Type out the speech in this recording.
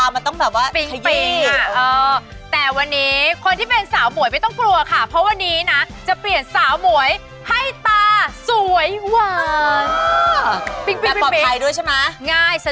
มันต้องระวองตามันต้องแบบว่าเฮ้ยคัญจริง